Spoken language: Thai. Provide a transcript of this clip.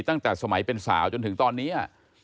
ตั้งแต่สมัยเป็นสาวจนถึงตอนนี้